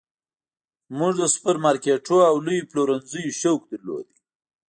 موږ د سوپرمارکیټونو او لویو پلورنځیو شوق درلود